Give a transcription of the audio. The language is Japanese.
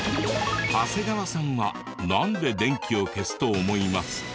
長谷川さんはなんで電気を消すと思いますか？